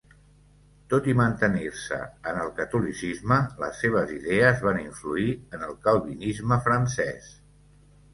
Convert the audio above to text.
Tot i mantenir-se en el catolicisme, les seves idees van influir en el calvinisme francès.